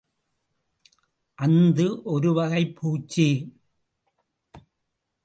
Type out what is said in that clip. அந்து ஒருவகைப் பூச்சி.